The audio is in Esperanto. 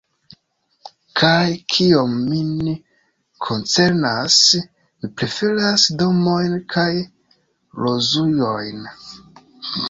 Kaj kiom min koncernas, mi preferas domojn kaj rozujojn.